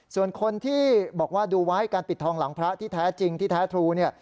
ส่วนคนที่บอกว่าดูไว้การปิดทองหลังพระที่แท้จริงที่แท้ทรูเนี่ย